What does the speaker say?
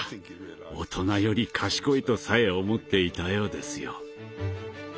大人より賢いとさえ思っていたようですよ。